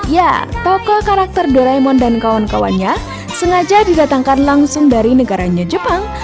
ya tokoh karakter doraemon dan kawan kawannya sengaja didatangkan langsung dari negaranya jepang